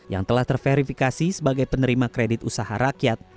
yang telah terverifikasi sebagai penerima kredit usaha rakyat